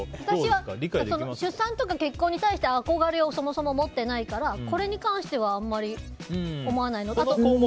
私は、出産とか結婚に対して憧れをそもそも持ってないからこれに関してはあんまり思わない。